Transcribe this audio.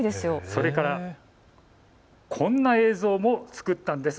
それから、こんな映像も作ったんです。